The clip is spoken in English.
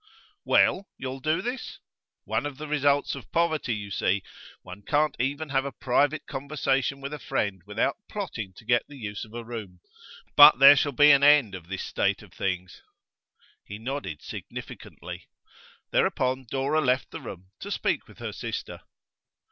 'Well, you'll do this? One of the results of poverty, you see; one can't even have a private conversation with a friend without plotting to get the use of a room. But there shall be an end of this state of things.' He nodded significantly. Thereupon Dora left the room to speak with her sister.